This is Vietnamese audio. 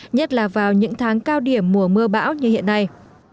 nhất là vào những tháng cao điểm mùa mưa bão như hiện nay